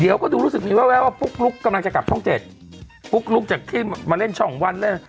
เดี๋ยวก็ดูรู้สึกมีแววว่าปุ๊กลุ๊กกำลังจะกลับช่องเจ็ดปุ๊กลุกจากที่มาเล่นช่องวันเลย